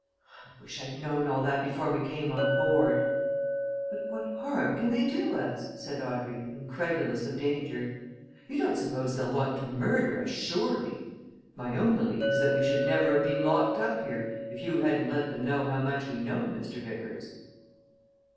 "I wish I'd known all that before we came on board." "But what harm can they do us?" said Audrey, incredulous of danger. "You don't suppose they'll want to murder us, surely! My own belief is that we never should have been locked up here if you hadn't let them know how much we know, Mr. Vickers."